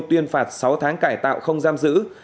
tuyên phạt sáu tháng cải tạo không giam giữ